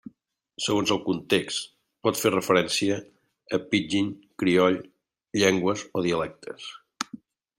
Segons el context, pot fer referència a pidgin, crioll, llengües o dialectes.